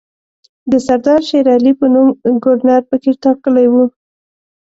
د سردار شېرعلي په نوم ګورنر پکې ټاکلی وو.